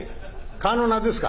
川の名ですか？」。